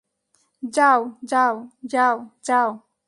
যাও, যাও, যাও, যাও!